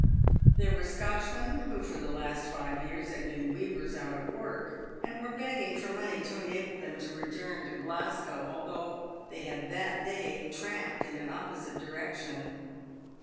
There were Scotchmen, who for the last five years had been weavers out of work, and were begging for money to enable them to return to Glasgow, although they had that day tramped in an opposite direction.